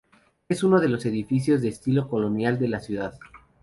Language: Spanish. Es uno de los edificios de estilo colonial de la ciudad.